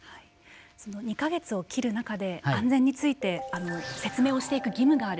その２か月を切る中で安全について説明をしていく義務がある。